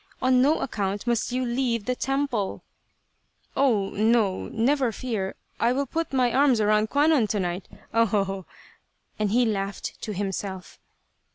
On no account must you leave the temple !"" Oh, no, never fear, I will put my arms round Kwannon to night ho, ho, ho !" and he laughed to himself.